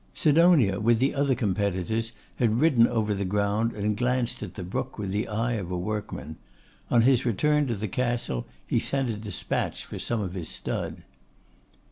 Sidonia, with the other competitors, had ridden over the ground and glanced at the brook with the eye of a workman. On his return to the Castle he sent a despatch for some of his stud.